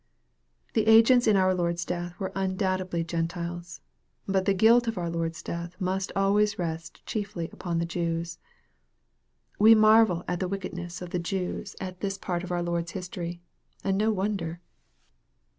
The agents in our Lord's death were undoubtedly Gentiles. But the guilt of our Lord's death must always rest chiefly upon the Jews. "We marvel at the wickedness of the Jews at this part MARK, CHAP. XV. 839 of our Lord's history and no wonder.